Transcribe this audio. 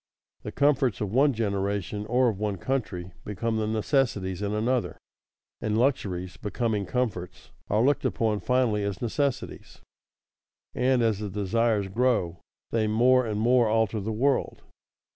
The comforts of one generation, or of one country, become the necessities in another; and luxuries becoming comforts, are looked upon finally as necessities. And as the desires grow, they more and more alter the world.